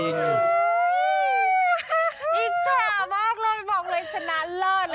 อีจ๋ามากเลยบอกเลยสนันเลิกเลยค่ะ